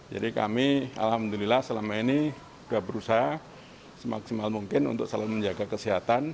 jadi kami alhamdulillah selama ini sudah berusaha semaksimal mungkin untuk selalu menjaga kesehatan